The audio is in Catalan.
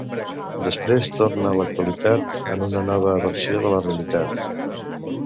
Després torna a l'actualitat en una nova versió de la realitat.